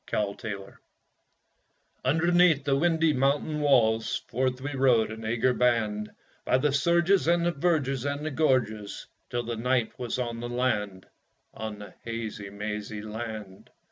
After the Hunt Underneath the windy mountain walls Forth we rode, an eager band, By the surges and the verges and the gorges, Till the night was on the land On the hazy, mazy land!